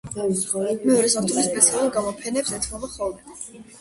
მეორე სართული სპეციალურ გამოფენებს ეთმობა ხოლმე.